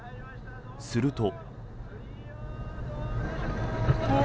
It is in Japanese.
すると。